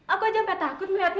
aku aja gak takut melihatnya